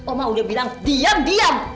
oma udah bilang diam diam